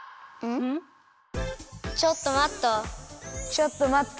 ちょっと待っと。